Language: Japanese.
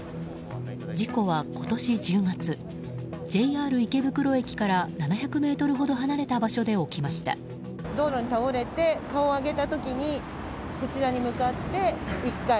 事故は今年１０月ＪＲ池袋駅から７００ｍほど離れた場所で起きました。